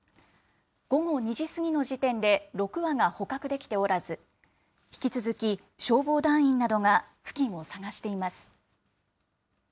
午後２時過ぎの時点で、６羽が捕獲できておらず、引き続き、消防団員などが付近を捜しています。